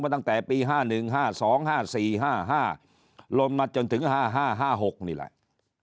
ตั้งแต่ปี๕๑๕๒๕๔๕๕ลงมาจนถึง๕๕๖นี่แหละ